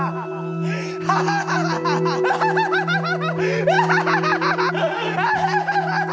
アハハハハハハ！